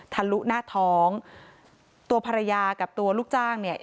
ทะลุหน้าท้องตัวภรรยากับตัวลูกจ้างเนี่ย